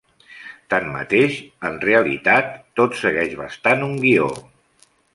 Tanmateix, en realitat, tot segueix bastant un guió.